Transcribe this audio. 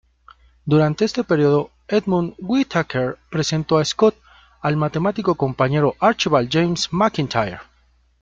Durante este período, Edmund Whittaker presentó a Scott al matemático compañero Archibald James Macintyre.